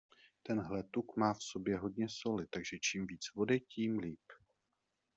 Tenhle tuk má v sobě hodně soli, takže čím víc vody, tím líp.